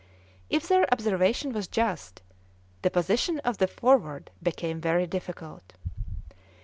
If their observation was just, the position of the Forward became very difficult.